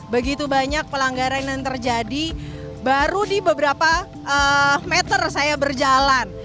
begitu banyak pelanggaran yang terjadi baru di beberapa meter saya berjalan